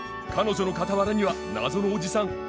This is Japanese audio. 彼女の傍らには謎のおじさん。